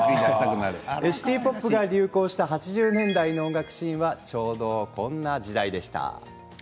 シティ・ポップが流行した８０年代の音楽シーンはちょうどこんな時代でした。